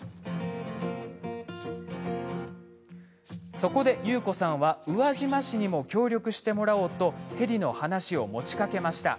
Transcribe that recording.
そこで、優子さんは宇和島市にも協力してもらおうとヘリの話を持ちかけました。